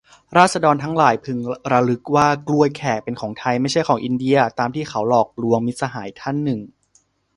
"ราษฎรทั้งหลายพึงระลึกว่า กล้วยแขกเป็นของไทย ไม่ใช่ของอินเดียตามที่เขาหลอกลวง" - มิตรสหายท่านหนึ่ง